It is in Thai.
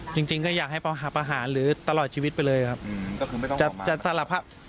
จริงก็อยากให้ประหารหรือตลอดชีวิตไปเลยครับ